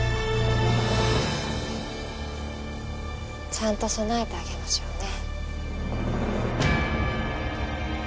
ちゃんと供えてあげましょうね。